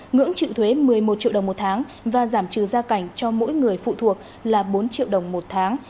ngưỡng chịu thuế một mươi một triệu đồng một tháng và giảm trừ gia cảnh cho mỗi người phụ thuộc là bốn triệu đồng một tháng